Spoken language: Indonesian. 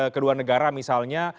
kedua negara misalnya